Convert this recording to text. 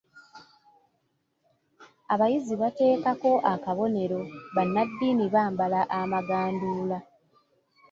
Abayizi bateekako akabonero, bannaddiini bambala amaganduula.